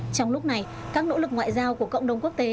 trong lúc này các nỗ lực ngoại giao của cộng đồng quốc tế